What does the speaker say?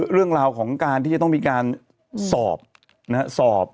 เรื่องราวต้องมีการสอบ